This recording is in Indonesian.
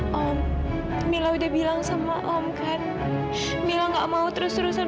complimen probnis ini berharga sama pak mila hembo menurun